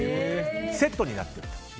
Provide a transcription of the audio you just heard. セットになっていると。